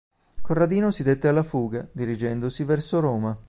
Corradino si dette alla fuga, dirigendosi verso Roma.